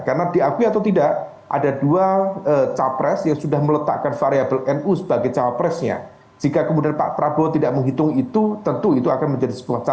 karena diakui atau tidak ada dua cawapras yang sudah meletakkan variable nu sebagai cawaprasnya jika kemudian pak prabowo tidak menghitung itu tentu itu akan menjadi sebuah catatan